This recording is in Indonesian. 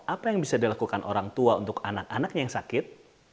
apa yang bisa dilakukan orang tua untuk anak anaknya yang sakit